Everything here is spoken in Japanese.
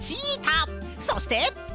そして！